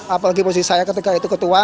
apalagi posisi saya ketika itu ketua